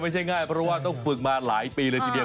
ไม่ใช่ง่ายเพราะว่าต้องฝึกมาหลายปีเลยทีเดียว